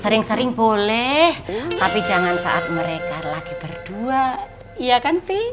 sering sering boleh tapi jangan saat mereka lagi berdua iya kan